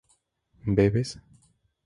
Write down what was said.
¿bebes?